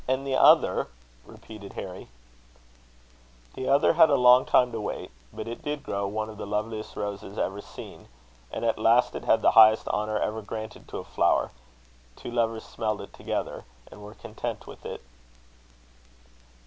"And the other?" repeated Harry. "The other had a long time to wait; but it did grow one of the loveliest roses ever seen. And at last it had the highest honour ever granted to a flower: two lovers smelled it together, and were content with it."